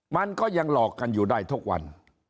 มันก็ยังหลอกกันอยู่ได้ทุกวัน